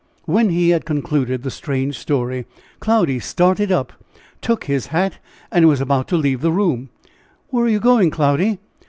When he had concluded the strange story, Cloudy started up, took his hat, and was about to leave the room, "Where are you going, Cloudy?"